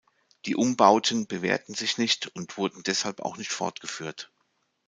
Die Umbauten bewährten sich nicht und wurden deshalb auch nicht fortgeführt.